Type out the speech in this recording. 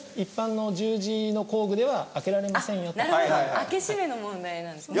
開け締めの問題なんですね。